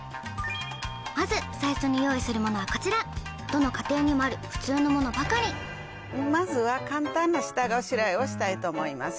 まず最初に用意するものはこちらどの家庭にもある普通のものばかりをしたいと思います